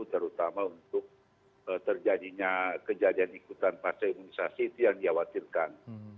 terutama untuk terjadinya kejadian ikutan pasca imunisasi itu yang dikhawatirkan